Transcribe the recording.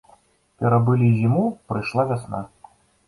Перабылі зіму, прыйшла вясна.